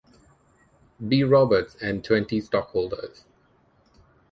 B. Roberts, and twenty stockholders.